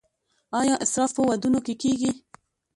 آیا اسراف په ودونو کې کیږي؟